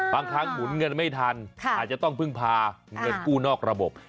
บางครั้งหมุนเงินไม่ทันอาจจะต้องพึ่งพาเงินกู้นอกระบบ